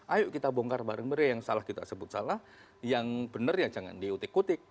ayo kita bongkar bareng bareng yang salah kita sebut salah yang benar ya jangan diutik utik